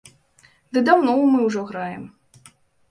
Ды даўно мы ўжо граем.